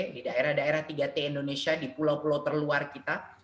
di daerah daerah tiga t indonesia di pulau pulau terluar kita